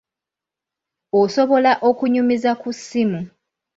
Osobola okunyumiza ku ssimu.